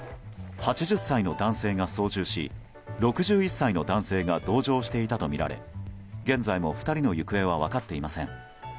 ８０歳の男性が操縦し６１歳の男性が同乗していたとみられ現在も２人の行方は分かっていません。